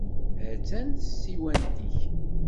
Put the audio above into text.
Ha-tt-an tsiwant-ik.